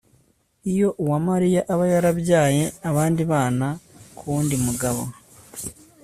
iyo uwamariya aba yarabyaye abandi bana k'uwundi mugabo